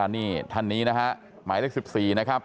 อันนี้ฐันนี้นะคะหมายเลข๑๔นะครับ